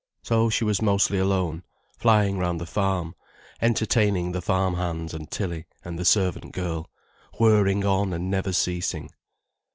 So she was mostly alone, flying round the farm, entertaining the farm hands and Tilly and the servant girl, whirring on and never ceasing.